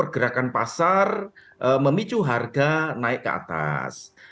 gerakan pasar memicu harga naik ke atas